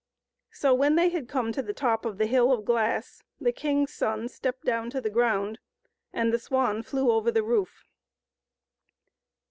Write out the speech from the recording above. So, when they had come to the top of the hill of glass, the king's son stepped down to the ground, and the swan flew over the roof.